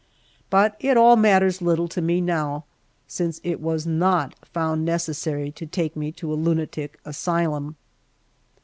But it all matters little to me now, since it was not found necessary to take me to a lunatic asylum!